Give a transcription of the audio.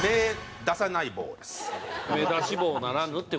目出し帽ならぬって事？